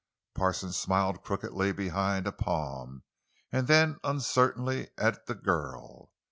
Parsons smiled crookedly behind a palm, and then uncertainly at the girl.